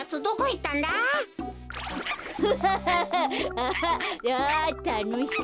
あたのしい。